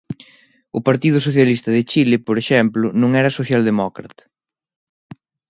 O Partido Socialista de Chile, por exemplo, non era socialdemócrata.